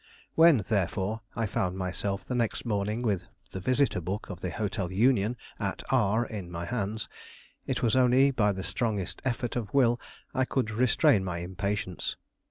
When, therefore, I found myself the next morning with the Visitor Book of the Hotel Union at R in my hands, it was only by the strongest effort of will I could restrain my impatience.